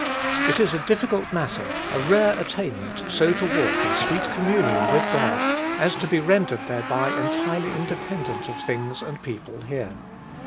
It is a difficult matter a rare attainment so to walk in sweet communion with God as to be rendered thereby entirely independent of things and people here.